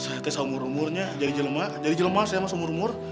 saya tes umur umurnya jadi jelema jadi jelema saya masuk umur umur